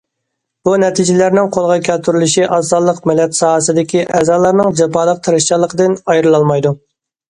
بۇ نەتىجىلەرنىڭ قولغا كەلتۈرۈلۈشى ئاز سانلىق مىللەت ساھەسىدىكى ئەزالارنىڭ جاپالىق تىرىشچانلىقىدىن ئايرىلالمايدۇ.